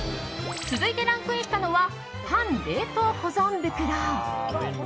続いてランクインしたのはパン冷凍保存袋。